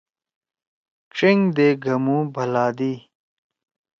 ڇینگ دے گھومُو بھلادی۔